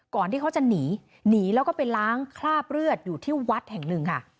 ที่เขาจะหนีหนีแล้วก็ไปล้างคราบเลือดอยู่ที่วัดแห่งหนึ่งค่ะ